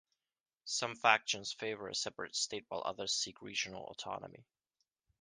Some factions favour a separate state while others seek regional autonomy.